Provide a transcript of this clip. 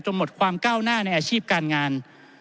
หมดความก้าวหน้าในอาชีพการงาน